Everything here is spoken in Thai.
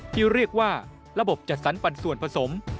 ที่เรียกว่าระบบจัดสรรปันส่วนผสม